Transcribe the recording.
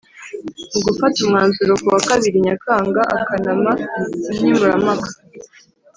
mu gufata umwanzuro, ku wa kabiri nyakanga, akanama nkemurampaka